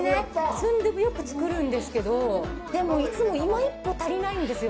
純豆腐よく作るんですけどでもいつも今一歩足りないんですよ